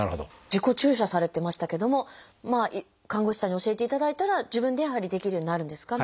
自己注射されてましたけども看護師さんに教えていただいたら自分でやはりできるようになるんですか？